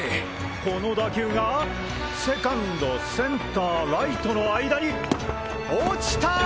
この打球がセカンドセンターライトの間に落ちたァ！